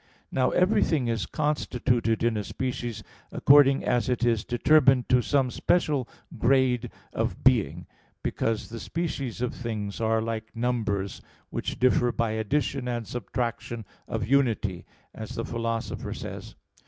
Now everything is constituted in a species according as it is determined to some special grade of being because "the species of things are like numbers," which differ by addition and subtraction of unity, as the Philosopher says (Metaph.